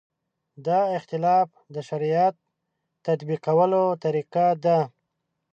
دا اختلاف د شریعت تطبیقولو طریقه ده.